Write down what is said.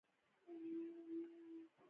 دویم څپرکی د بکټریاوي حجرو اناټومي ده.